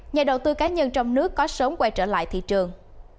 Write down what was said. nhà đầu tư cá nhân trong nước có sớm quay trở lại thị trường